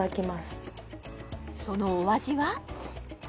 そのお味は？